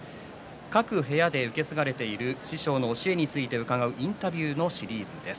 各部屋で受け継がれている師匠の教えについて伺うインタビューのシリーズです。